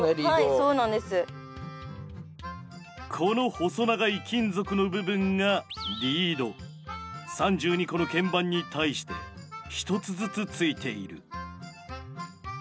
この細長い金属の部分が３２個の鍵盤に対して１つずつついている。